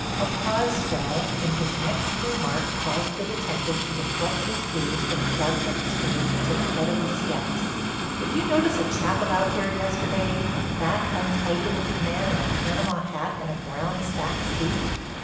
A pause fell, and his next remark caused the detective to deflect his gaze from the darkling street to the head of the steps: "Did you notice a chap about here yesterday—a fat, untidy looking man in a Panama hat and a brown sack suit?"